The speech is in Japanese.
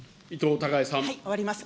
終わります。